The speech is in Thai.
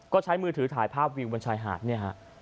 ก็ใช้มือถือถ่ายภาพวิวบนชายหาดเนี่ยฮะ